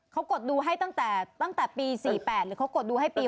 เขากดดูให้ตั้งแต่ปี๔๘หรือเขากดดูให้ปี๒